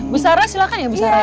bu sarah silakan ya bu sarah ya